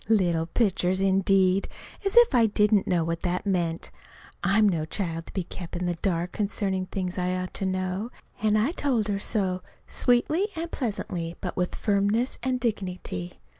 "Little pitchers," indeed! As if I didn't know what that meant! I'm no child to be kept in the dark concerning things I ought to know. And I told her so, sweetly and pleasantly, but with firmness and dignity.